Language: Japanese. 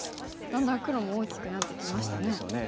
だんだん黒も大きくなってきましたね。